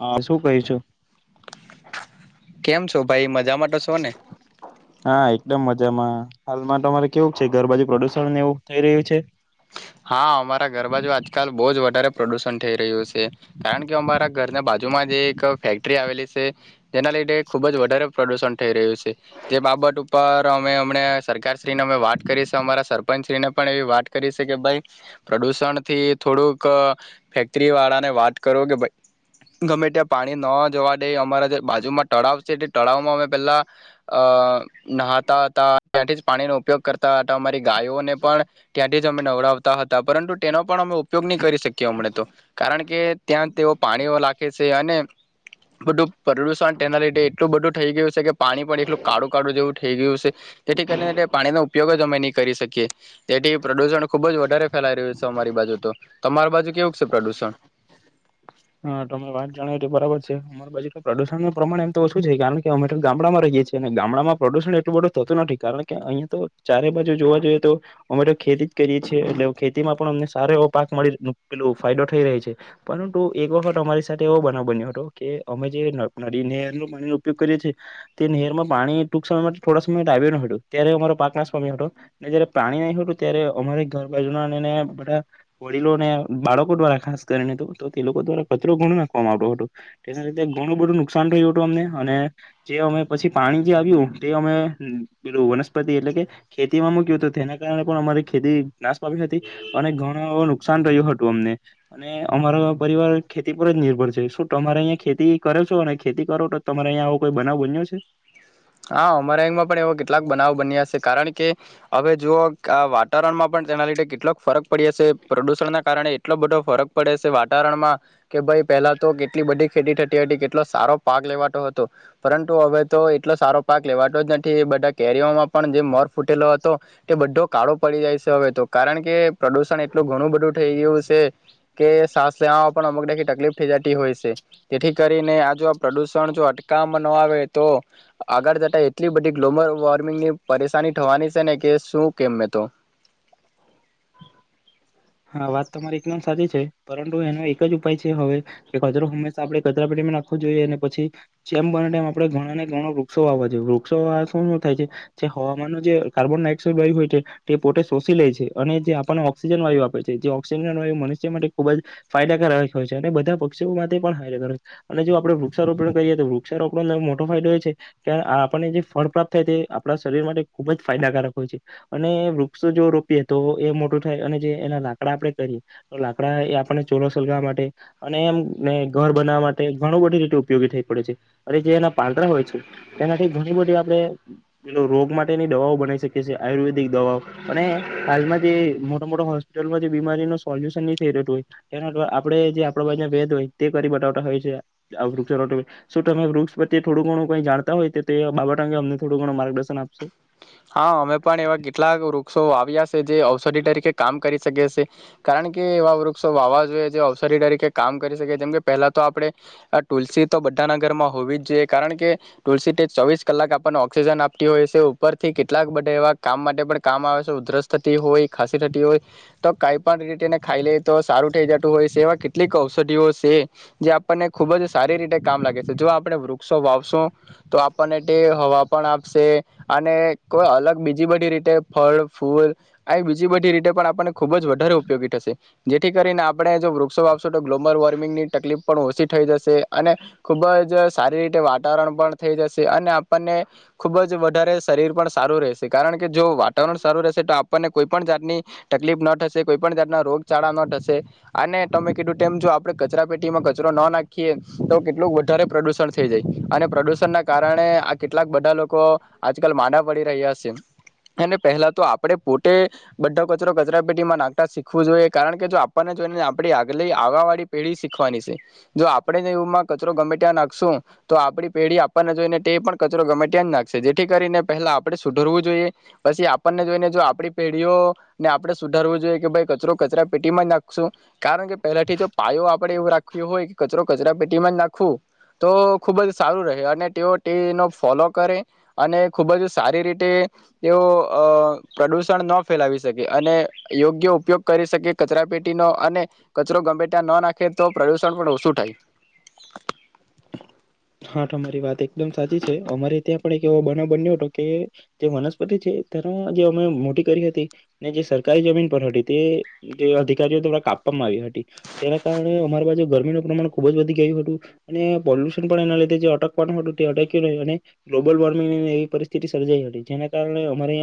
હા શું કહીશું કેમ છો ભાઈ? મજા માટે છો ને હા એકદમ મજામાં હાલમાં તમારે કેવું છે ઘરબાજુ પ્રદુષણ એવું થઈ રહ્યું છે. હા અમારા ઘર બાજુ [unintelligible] પ્રદૂષણ થઈ રહ્યું છે, કારણ કે અમારા ઘરના બાજુમાં જે એક ફેક્ટરી આવેલી છે, તેના લીધે ખૂબ વધારે જ પ્રદુષણ થઈ રહ્યું છે. તે બાબત ઉપર અમે અમને સરકારશ્રીને અમે વાત કરીશ અમારા સરપંચશ્રીને પણ એવી વાત કરીશ. કે ભાઈ પ્રદુષણ થી થોડુંક ફેક્ટરી વાળાને વાત કરો કે ગમે ત્યાં પાણી ન જવા દે અમારા જે બાજુમાં તળાવ છે, તે તળાવમાં અમે પેલા અ નહતા હતા તંથી પાણીનો ઉપયોગ કરતા હતા અમારી. ગાયોને પણ [unintelligible] અમે નવડાવતા હતા પરંતુ તેનો પણ અમે ઉપયોગ નહીં કરી શકીએ. કેવા મળે તો કારણ કે કે ત્યાં તેઓ પાણીઓ લખે છે, અને બધું પ્રદુષણ તેના લીધે એટલું બધું થઈ ગયું છે, કે પાણી પણ એટલું કાળું કાળું જેવું. થઈ ગયું છે તેથી કરીને [unintelligible] ઉપયોગ જ અમે નહી કરી શકીએ તેથી પ્રદૂષણ ખુબ જ વધારે ફેલાઈ રહ્યું છે, અમારી બાજુ તો તમાર બાજુ કેવું છે, પ્રદુષણ હા તમે વાત જાણાવ બરાબર છે, અમારી બાજુ તો પ્રદુષણ ન પ્રમાણ એમ તો ઓછું છે કારણ કે અમેટો ગામડામાં રહીએ છીએ અને ગામડામાં પ્રદુષણ એટલું બધું થતું નથી કારણ કે [unintelligible] તો ચારે બાજુ જોવા જઈએ તો અમેટો ખેતી જ કરીએ છીએ એટલે ખેતીમાં પણ અમને સારો એવો પાક મળી [unintelligible] ફાયદો થઈ [unintelligible] છે, પણ એક વખત અમારી સાથે એવો બનાવ બન્યો હતો કે અમે જે નદી નહેર ન પાણી ન ઉપયોગ કરીએ છીએ તે નહેરમાં પાણી ટૂંક સમય માટે થોડા સમય આવ્યું ન હતું ત્યારે અમારો પાક નાશવામ્યો હતો ને જયારે પાણી નહી હતું ત્યારે અમારે ઘર બાજુ ના બધા વડીલોને બાળકો દ્વારા ખાસ કરીને. તો તે લોકો દ્વારા ખતરો ઘણો નાખવામાં આવતો હતો તેના લીધે ઘણું બધું નુકસાન રહ્યું હતું અમને અને જે અમે પછી પાણી જે આવ્યું તે અમેલું વનસ્પતિ એટલે કે ખેતીમાં મૂક્યું હતું તેના કારણે પણ અમારી ખેતી નાશ પામી હતી અને ઘણ નુકસાન રહ્યું હતું અમને અને અમારા પરિવાર ખેતી પર જ નિર્ભર છે, શું તમારે અહીિયાંયા ખેતી કરો છો અને ખેતી કરો તો તમારે અહીંયા આવો કોઈ બનાવ બન્યો છે. હા અમરાંગમાં પણ એવો કેટલાક બનાવ બન્યા છે, કારણ કે હવે જુઓ વાતાવરણમાં પણ તેના લીધે કેટલોક ફરક પડ્યા છે, પ્રદૂષણ ના કારણે એટલો બધો ફરક પડે છે, વાતાવરણમાં કે ભાઈ પહેલા તો કેટલી બધી ખેતી થતી હતી કેટલો સારો પાક લેવાતો હતો પરંતુ હવે તો એટલો સારો પાક લેવાતો જ નથી એ બધા કેરીઓમાં પણ જે મોર ફૂટેલો હતો તે બધો કાળો પડી જાય છે, હવે તો કારણ કે પ્રદુષણ એટલું ઘણું બધું થઈ ગયું છે કે સાસ લેવામાં પણ અમુક [unintelligible] તકલીફ થઈ જતી હોય છે, તેથી કરીને આ જો આ પ્રદુષણ જો અટકવામાં ન આવે તો આગળ જતા એટલી બધી ગ્લોબલ વોર્મિંગની પરેશાની થવાની છે, ને કે શું કે મે તો હા વાત તોરી એકદમ સાચી છે પરંતુ એનો એક જ ઉપાય છે હવે કે કચરો હંમેશા આપણે કચરા પેટીમાં નાખવો જોઈએ અને પછી જેમ બનેમ આપણે ઘણા ને ઘણો વૃક્ષો વાવા જોઈએ વૃક્ષો આ શું શું થાય છે જે હવામાન ન જે કાર્બન ડાયોક્સાઇડ વાયુ હોય છે તે પોતે શોષી લે છે અને જે આપણને ઓક્સિજન વાયુ આપે જે ઓક્સિજનય એ મનુષ્ય માટે ખુબ જ ફાયદાકારક હોય છે, અને બધા પક્ષીઓ માટે પણાયદ હો છે, અને જો આપણે વૃક્ષારોપણ કરીએ તો વૃક્ષારોપણનો મોટો ફાયદો એ છે કે, આપણને જે ફળ પ્રાપ્ત થાય તે આપણા શરીર માટે ખુબ જ ફાયદાકારક હોય છે, અને વૃક્ષો જો રોપીએ તો એ મોટું થાય અને જે આપણે કરીએ તો લાકડા એ આપને ચોલો સલગાવવા માટે અને એમને ઘર બનાવવા માટે ઘણ બધી રીતે ઉપયોગી થઈ પડે છે, અને જે એના પાંદરા હોય છે, તેનાથી ઘણી બધી આપણે રોગ માટેની દવાઓ બનાવી શકી છીએ આયુર્વેદિક દવાઓ અને હાલમાં જે મોટા મોટા હો માં જે બીમારી ન સોલ્યુશન થઈત હોયના આપણે જે આપ બાજના વેદ હોય તે કરી બટાવટા હોય છે, [unintelligible] તમે વૃક્ષ પ્રત્યે થોડું ઘણું કઈ જાણતા હોય તો તે બાબટ અંગે અમને થોડું ઘણું માર્ગદર્શન આપશો. હા અમે પણ એવા કેટલા વૃક્ષો [unintelligible] જે ઔષધિ તરીકે કામ કરી શકે છે. કારણ [unintelligible] વાવા જોઈએ જે અવસરી તરીકે કામ કરી શકે જેમ કે પહેલા તો આપણે આ તુલસી તો બધાના ઘરમાં હોવી જ જોઈએ કારણ કે તુલસી ચોવીસ કલાક આપણને ઓક્સિજન આપતી હોય છે. ઉપરથી કેટલાક બધા એવા કામ માટે પણ કામ આવે છે, ઉધરસ થતી હોય ખાસી થતી હોય તો કઈ પણ રીતેને ખાઈ લે તો સારું થઈ જતું હોય છેવા કેટલીક ઔષધિઓ છે, જે આપને ખુબ જ સારી રીતે કામ લાગે છે. જો આપણે [unintelligible] વાવશો તો આપણને તે હવા પણ આપશે. અને કોઈ અલગ બીજી બધી રીતે ફળ ફૂલ એ બીજી બધી રીતે પણ આપણને ખુબ જ વધારે ઉપયોગી થશે જેથી કરીને આપણે જો વૃક્ષો [unintelligible] [unintelligible] ગ્લોબલ વોર્મિંગ ની તકલીફ પણ ઓછી થઈ જશે અને ખુબ જ સારી રીતે વાત [unintelligible] પણ થઈ જશે અને ને ખુબ જ વધારે શરીર પણ સારું રહેશે કારણ કે જો વાતાવરણ સારું રહેશે તો આપણને કોઈ પણ જાતની તકલીફ ના થશે. કોઈ પણ જાતના રોગચાળા ન થશે અને તમે કીધું ટેમ જો આપડે કચરા પેટીમાં કચરો ન નાખીએ તો કેટલું વધારે પ્રદુષણ થઈ જાય. અને પ્રદુષણ ના કારણે આ કેટલાક બધા લોકો આજકાલ માદા પડી રહ્યા સે. અને પહેલા તો આપડે પોટે બઢો કચરો કચરા પેટીમાં નાખતા શીખવું જોઈએ. કારણ કે જો આપણને જોઈને આપણી આગલી આવવાવાળી પેઢી શીખવાની સે. જો આપણે નઈ રૂમમાં કચરો ગમેટ્યા નાખશું, તો આપડી પેઢી આપણને જોઈને તે પણ કચરો ગમેટ્યા જ નાખશે. જે થી કરીને પહેલા આપણે સુધરવું જોઈએ. પસી આપણને જોઈને જો આપણી પેઢીઓ ને આપણે સુધરવું જોઈએ કે ભઈ કચરો કચરા પેટીમાં જ નાખશું. કારણ કે પહેલાથી જો પાયો આપડે એવું રાખયો હોય કચરો કચરા પેટીમાં જ નાખવું, તો ખુબ જ સારું રહે અને ટેઓ ટેનો ફોલો કરે અને ખૂબ જ સારી રીટે તેઓ અ પ્રદુષણ ન ફેલાવી શકે. અને યોગ્ય ઉપયોગ કરી શકે કચરા પેટીનો અને કચરો ગમેટ્યા ન નાખે તો પ્રદુષણ પણ ઓછું થાય. હા, તમારી વાત એકદમ સાચી છે. અમારે ત્યાં પણ એક એવો બનાવ બન્યો હતો, કે તે વનસ્પતિ છે તેના જે અમે મોટી કરી હતી, ને જે સરકારી જમીન પર હટી તે જે અધિકારીઓ દ્વારા કાપવામાં આવી હટી. તેના કારણે અમાર બાજુ ગરમીનું પ્રમાણ ખુબ જ વધી ગયું હતું. અને પોલ્યુશન પણ એના લીધે જે અટકવાનું હતું તે અટેકી રેહે અને ગ્લોબલ વોર્મિંગ ને એવી પરિસ્થિતિ સર્જાઈ હતી. જેના કારણે અમારે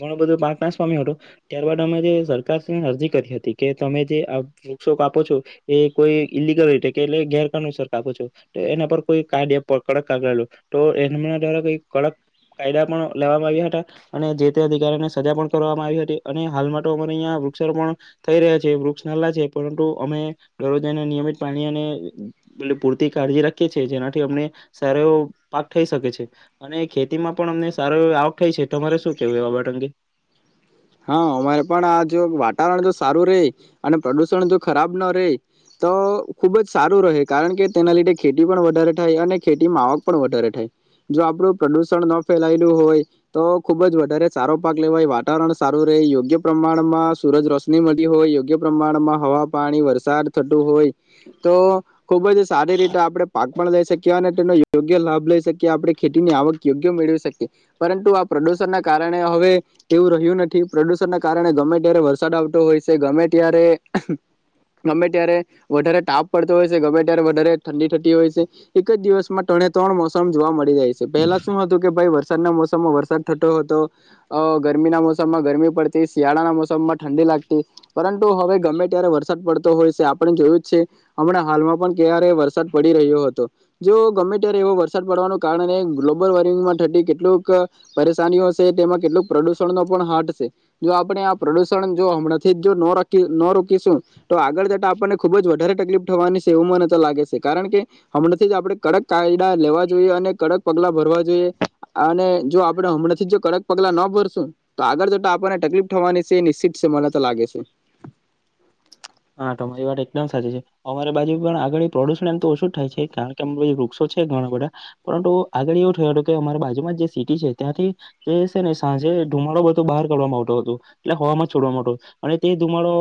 ઘણો બધો પાક નાશ પામ્યો હટો. ત્યારબાદ અમે જે સરકાર શ્રી અરજી કરી હતી કે તમે જે આ વૃક્ષો કાપો છો, એ કોઈ ઈલ્લીગલ રીતે કે એટલે ગેરકાનુસર કાપો છો. તો એના પર કોઈ કાયદે પકડ કાગાલુ, તો એહમના દ્વારા કોઈ કડક કાયદા પણ લેવામાં આવ્યા હતા. અને જે તે અધિકારીને સજા પણ કરવામાં આવી હટી. અને હાલમાં ટો અમારે અહીંયા વૃક્ષારોપણ થઈ રહ્યા છે. વૃક્ષ નાલ્લા છે પરંતુ, અમે દરરોજ એને નિયમિત પાની અને એહ ઉહ પૂરતી કાળજી રાખીએ છે. જેનાથી અમને સારો એવો પાક થઈ શકે છે. અને ખેતીમાં પણ અમને સારો એવો આવક થાય છે. તમારે શું કેવું એ બાબટ અંગે. હા, અમારે પણ આ જો વાતાવરણ જો સારું રેહ અને પ્રદુષણ જો ખરાબ ન રેહ તો ખુબ જ સારું રહે. કારણ કે, તેના લીધે ખેતી પણ વધારે થાય, અને ખેતીમાં આવક પણ વધારે થાય. જો આપણું પ્રદુષણ ન ફેલાયેલું હોય તો ખુબ જ વધારે સારો પાક લેવાય. વાતાવરણ સ સારું રેહ, યોગ્ય પ્રમાણમાં સૂરજ રોશની મળતી હોય, યોગ્ય પ્રમાણમાં હવા, પાણી, વરસાદ થતો હોય તો ખુબ જ સારી રીતે આપડે પાક પણ લઈ શકીએ. અને તેનો યોગ્ય લાભ લઈ શકીએ. આપણે ખેતીની આવક યોગ્ય મેળવી શકીએ. પરંતુ, આ પ્રદુષણ ના કારણે હવે તેવું રહ્યું નથ થી પ્રદુષણના કારણે ગમે ત્યારે વરસાદ આવતો હોય સે. ગમે ત્યારે અહક ગમે ત્યારે વધારે તાપ પડતો હોય સે. ગમે ત્યારે વધારે ઠંડી થતી હોય સે. એક જ દિવસમાં ત્રણે ત્રણ મોસમ જોવા મળી જાય સે. પહેલા શું હતું કે ભઈ વરસાદના મોસમમાં વરસાદ થટો હતો. અ ગરમીના મોસ સમમાં ગરમી પડતી, શિયાળાના મોસમમાં ઠંડી લાગતી. પરંતુ, હવે ગમે ત્યારે વરસાદ પડતો હોય છે. આપણે જોયું જ છે, હમણાં હાલમાં પણ ક્યારે વરસાદ પડી રહ્યો હતો. જો ગમે ત્યારે એવો વરસાદ પડવાનું કારણે ગ્લોબલ વોર્મિંગમાં ઠતી કેટલુંક પરેશાનીઓ સે તેમાં કેટલુંક પ્રદુષણનો પણ હાડ સે. જો આપણે આ પ્રદુષણ જો હમણાંથી જો ન રોકી ન રોકીશું તો આગળ જતા આપણને ખુબ જ વધારે તકલીફ થવાની સે, એવું મને તો લાગે સે, કારણ કે, હમણાંથી જ આપડે કડક કાયદા લેવા જોઈએ, અને કડક પગલા ભરવા જોઈએ, અને જો આપણે હમણાંથી જ જો કડક પગલા ન ભરશું તો આગળ જોતા આપણને તકલીફ થવાની સે, એ નિશ્ચિત સે, મને તો લાગે સે. હા, તમારી વાત એકદમ સાચી છે. અમારી બાજુ પણ આગળ પ્રડુષણ એમ તો ઓછું જ થાય છે. કારણ કે, અ વૃક્ષો છે ઘણા બધા પરંતુ, આગળ એવું થયું હતું કે અમારા બાજુમાં જ જે સિટી છે ત્યાંથી જે છે ને સાંજે ધુમાડો બધો બહાર કાવામાં આવતો હતો, એટલે હવામાં છોડવામાંતો અને તે ધુમાડો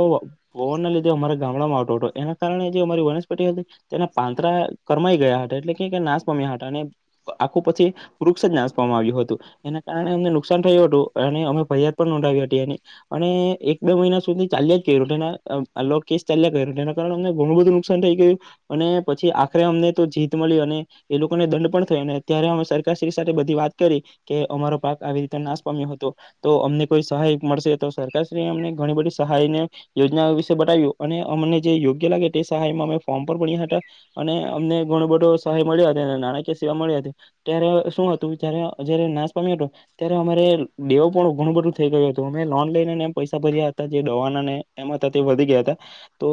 પવનના લીધ અમારા ગામડામાં આવતો હતો. એના કારણે જે અમારી વનસ્પતિ હતી તેના પાંતરા કરમાઈ ગયા હતા. એટલે કે નાશ પામ્યા હતા અને આખું પછી વૃક્ષ જ નાશ પામા આવ્યું હતું. એના કારણે અમને નુકસાન થયું હતું અને અમે ફરિયાદ પણ નોંધાવી હતી એની અને એક બે મહિના સુધી ચાલ્યા જ કે ધના અ આલો કેશ ચાલ્યા કર્યો જેના કારણે અમને ઘણું બધું નુકસાન થઈ ગયું. અને પછી આખરે અમને તો જીત મલી અને એ લોકોને દંડ પણ થયો. અને અત્યારે અમે સરકારશ્રી સાથે બધી વાત કરી કે અમારો પાક આવી રીતે નાશ પામ્યો હતો, તો અમને કોઈ સહાય મળશે તો સરકારશ્રી અમને ઘણી બધી સહાયને યોજનાઓ વિશ તે બટાયુ. અને અમને જે યોગ્ય લાગે તે સહાયમાં અમે ફોર્મ પર ભણ્યા હતા. અને અમને ઘણો બધો સહાય મળ્યો હતો. અને નાણાકીય સેવા મળી હતી. ત્યારે શું હતું ત્યારે જ્યારે નાશ પામ્યો હતો, ત્યારે અમારે દેવો પણ ઘણું બધું થઈ ગયું હતું. અમે લોન લઈનેને એમ પૈસા ભર્યા હતા જે દવાના ને એના હતા વધી ગયા હતા. તો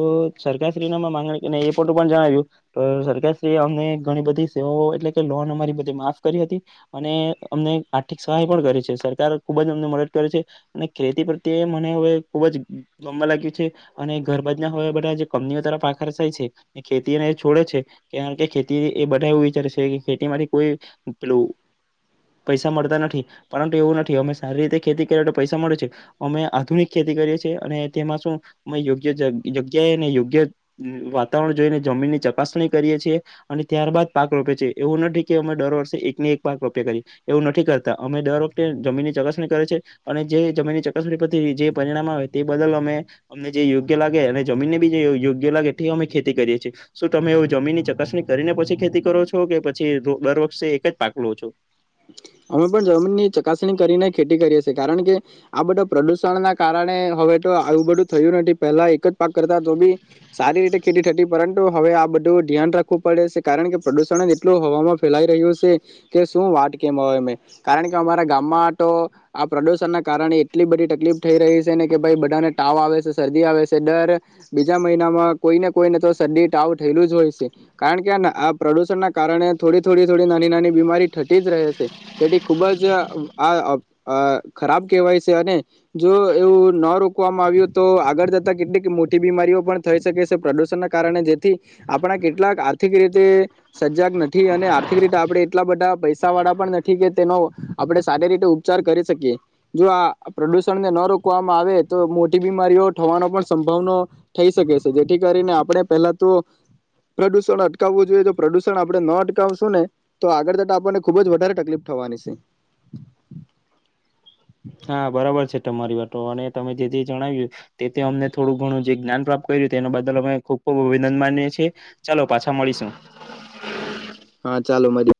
સરકારશ્રી ના મા માંગણીને એ પોટું પણ જણાવ્યું, તો સરકારશ્રી એ અમને ઘણી બધી સેવાઓ એટલે કે લોન અમારી બધી માફ કરી હતી. અને અમને આર્થિક સહાય પણ કરી છે. સરકાર ખુબ જ અમને મદદ કરે છે. અને ખેતી પ્રત્યે મને હવે ખુબ જ ગમવા લાગ્યું છે. અને ઘરબાજ ના હવે બધા જે કંપનીઓ તરફ આકર્ષાય છે, ને ખેતી અને એ છોડે છે, કારણ કે, ખેતી એ બધા એવું વિચારે છે ખેતીમાંથી કોઈ પેલું પૈસા મળતા નથી. પરંતુ, એવું નથી અમે સારી રીતે ખેતી કરીએ તો પૈસા મળે છે. અમે આધુનિક ખેતી કરીએ છીએ, અને તેમાં શું અમે યોગ્ય જગ જગ્યાએ અને યોગ્ય અમ વાતાવરણ જોઈને જમીનની ચકાસણી કરીએ છીએ. અને ત્યારબાદ પાક રોપે છે. એવું નઠી કે અમે દર વર્ષે એકને એક પાક રોપ્યા કરીએ. એવું નઠી કરતા. અમે દર વખતે જમીનની ચકાસણી કરે છે. અને જે જમીનની ચકાસણી પરથી જે પરિણામ આવે તે બદલ અમે અમને જે યોગ્ય લાગે અને જમીનને બી જે યો યોગ્ય લાગે તે અમે ખેતી કરીએ છીએ. શું તમે એવુ જમીનની ચકાસણી કરીને પછી ખેતી કરો છો? કે પછી દર વર્ષે એક જ પાક લો છો. અમે પણ જમીનની ચકાસણી કરીને ખેતી કરીએ સે. કારણ કે, આ બધા પ્રડુષણ ના કારણે હવે તો આવું બધું થયું નથી. પહેલા એક જ પાક કરતા તો બી સારી રીતે ખેતી થતી. પરંતુ, હવે આ બધું ધ્યાન રાખવું પડે સે, કારણ કે, પ્રદુષણ જ એટલું હવામાં ફેલાઈ રહ્યું સે કે શું વાત કે મોય મેં કારણ કે, અમારા ગામમાં તો આ પ્રદુષણના કારણે એટલી બધી તકલીફ થઈ રહી છે ને કે ભાઈ બધાને ટાવ આવે સે, શરદી આવે સે, દર બીજા મહિનામાં કોઈને કોઈને તો શરદી, ટાવ થયેલું જ હોય સે. કારણ કે, આ ના પ્રદુષણના કારણે થોડી થોડી થોડી નાની નાની બીમારી ઠ તેજ રહે સે, જેઠી ખૂબ જ ઉહ આહ અબ અહ ખરાબ કહેવાય સે, અને જો એવું ન રોકવામાં આવ્યું તો આગળ જતા કેટલીક મોટી બીમારીઓ પણ થઈ શકે સે, પ્રદૂષણના કારણે જેથી આપણા કેટલાક આર્થિક રીતે સજાગ નથી, અને આ થી રીતે આપડે એટલા બધા પૈસ તાવવાળા પણ નથી કે તેનો આપણે સારી રીતે ઉપચાર કરી શકીએ. જો આ પ્રડુષણને ન રોકવામાં આવે તો મોટી બીમારીઓ થવાનો પણ સંભાવનો થઈ શકે સે, જેથી કરીને આપણે પેલા તો પ્રડુષણ અટકાવવું જોઈએ, તો પ્રડુષણ આપણે ન અટકાવશું ને તો આગળ જતા આપણ ને ખૂબ જ વધારે તકલીફ થવાની સે. હા, બરાબર છે. તમારી વાટો, અને તમે જે જે જણાવ્યું તે તે અમને થોડું ઘણું જે જ્ઞાન પ્રાપ્ત કર્યું. તેના બદલ અમે ખુબ ખુબ અભિનંદ માનીએ છીએ. ચલો, પાછા મળીશું. હા, ચાલો મડીએ.